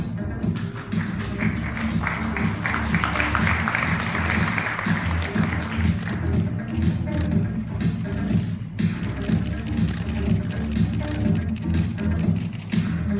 สวัสดีครับ